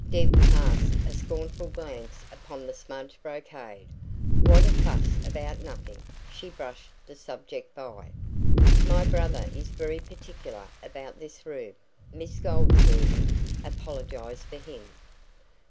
Deb cast a scornful glance upon the smudged brocade. "What a fuss about nothing!" she brushed the subject by. "My brother is very particular about this room," Miss Goldsworthy apologised for him.